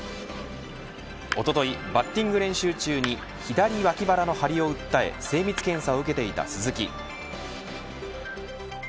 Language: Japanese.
おとといバッティング練習中に左脇腹の張りを訴え精密検査を受けていた鈴木。